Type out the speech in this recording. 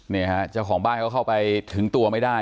นี่ฮะเจ้าของบ้านเขาเข้าไปถึงตัวไม่ได้